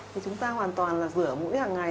thì chúng ta hoàn toàn là rửa mũi hàng ngày